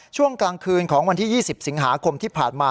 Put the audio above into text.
ช่วงกลางคืนของวันที่๒๐สิงหาคมที่ผ่านมา